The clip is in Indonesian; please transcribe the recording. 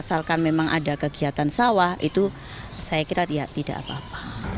asalkan memang ada kegiatan sawah itu saya kira tidak apa apa